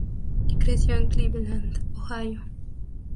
Y creció en Cleveland, Ohio.